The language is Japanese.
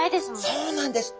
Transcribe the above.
そうなんです！